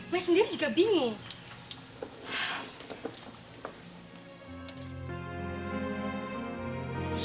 mai sendiri juga bingung